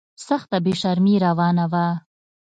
سخته بې شرمي روانه وه.